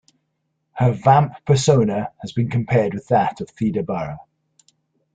Her vamp persona has been compared with that of Theda Bara.